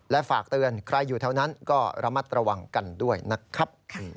ฝากเตือนใครอยู่แถวนั้นก็ระมัดระวังกันด้วยนะครับ